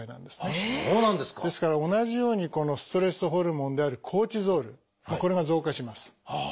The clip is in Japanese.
ですから同じようにストレスホルモンであるコルチゾールこれが増加します。